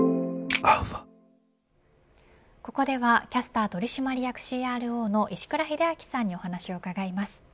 ここではキャスター取締役ＣＲＯの石倉秀明さんにお話を伺います。